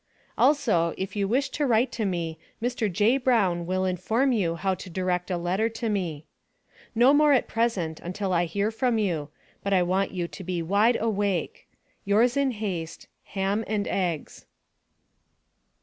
Also, if you wish to write to me, Mr. J. Brown will inform you how to direct a letter to me. No more at present, until I hear from you; but I want you to be a wide a wake. Yours in haste, HAM & EGGS.